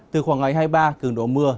từ khoảng ngày hai mươi ba cường độ mưa